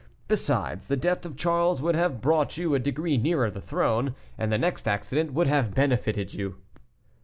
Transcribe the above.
Besides, the death of Charles would have brought you a degree nearer the throne, and the next accident would have benefited you."